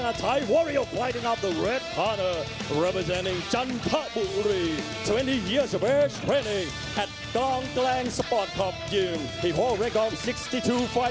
สุดท้ายสุดท้ายสุดท้ายสุดท้ายสุดท้ายสุดท้ายสุดท้ายสุดท้ายสุดท้ายสุดท้ายสุดท้ายสุดท้ายสุดท้าย